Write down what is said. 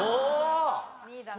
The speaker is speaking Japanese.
２位だな。